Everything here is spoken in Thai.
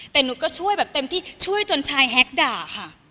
แต่หนูก็ช่วยแบบเต็มที่ช่วยจนชายแฮกด่าค่ะ